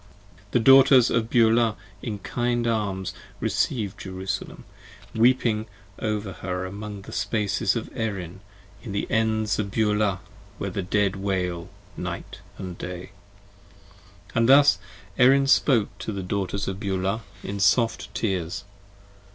The Daughters of Beulah in kind arms reciev'd Jerusalem: weeping over her among the Spaces of Erin, In the Ends of Beulah, where the Dead wail night & day. And thus Erin spoke to the Daughters of Beulah, in soft tears.